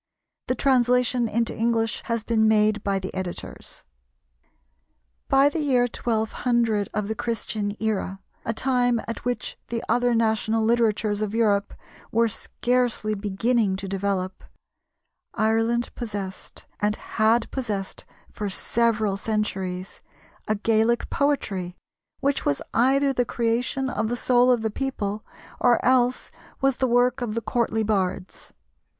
The translation into English has been made by the Editors.] By the year 1200 of the Christian era, a time at which the other national literatures of Europe were scarcely beginning to develop, Ireland possessed, and had possessed for several centuries, a Gaelic poetry, which was either the creation of the soul of the people or else was the work of the courtly bards.